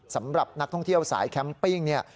สำหรับนักท่องเที่ยวสายแคมปิ้งเนี่ย